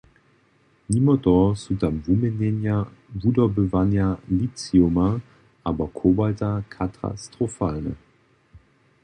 Nimo toho su tam wuměnjenja wudobywanja litiuma abo kobalta katastrofalne.